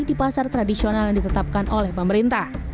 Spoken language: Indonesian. di pasar tradisional yang ditetapkan oleh pemerintah